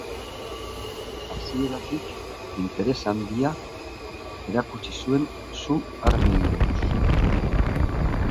Hasieratik interes handia erakutsi zuen su-armei buruz.